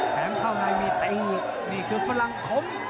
แทงเข้าในมีตีอีกนี่คือฝรั่งขม